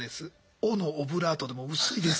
「お」のオブラートでも薄いです。